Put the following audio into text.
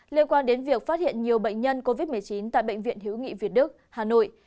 liên quan đến việc phát hiện nhiều bệnh nhân covid một mươi chín tại bệnh viện hiếu nghị việt đức hà nội